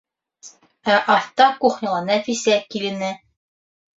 Ә аҫта - кухняла - Нәфисә килене.